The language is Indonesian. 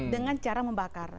dengan cara membakar